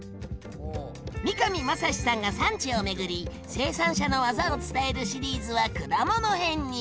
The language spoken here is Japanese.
三上真史さんが産地を巡り生産者のわざを伝えるシリーズは果物編に！